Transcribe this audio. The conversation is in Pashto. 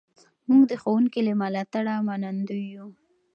موږ د ښوونکي له ملاتړه منندوی یو.